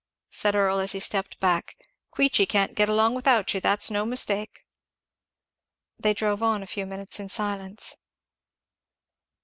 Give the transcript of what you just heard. said Earl as he stepped back, "Queechy can't get along without you, that's no mistake." They drove on a few minutes in silence.